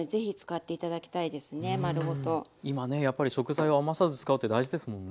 今ねやっぱり食材を余すさず使うって大事ですもんね。